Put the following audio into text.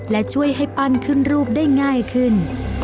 และช่วยให้ปั้นขึ้นรูปได้ง่ายขึ้น